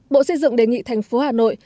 bộ xây dựng đề nghị thành phố hà nội